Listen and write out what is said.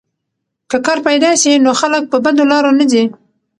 که کار پیدا سي نو خلک په بدو لارو نه ځي.